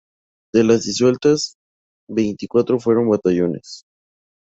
De las disueltas, veinticuatro fueron batallones.